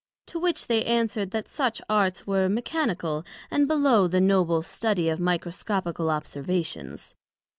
To which they answered, That such Arts were mechanical and below the noble study of Microscopical observations.